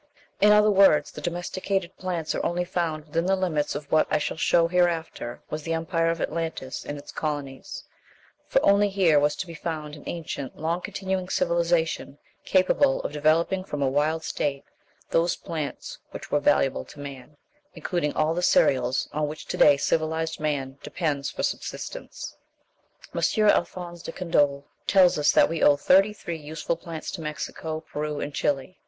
In other words, the domesticated plants are only found within the limits of what I shall show hereafter was the Empire of Atlantis and its colonies; for only here was to be found an ancient, long continuing civilization, capable of developing from a wild state those plants which were valuable to man, including all the cereals on which to day civilized man depends for subsistence. M. Alphonse de Candolle tells us that we owe 33 useful plants to Mexico, Peru, and Chili.